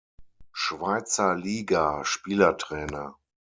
Schweizer Liga Spielertrainer.